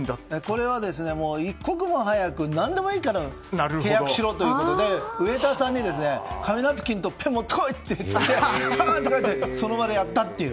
これは一刻も早く何でもいいから契約しろということでウェーターさんに紙ナプキンとペンを持ってこいと言って書いてその場でやったという。